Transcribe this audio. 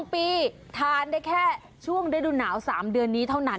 ๒ปีทานได้แค่ช่วงฤดูหนาว๓เดือนนี้เท่านั้น